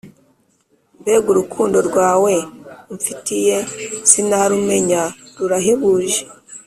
Mbega urukundo rwawe um fitiye sinarumenya rurahebuje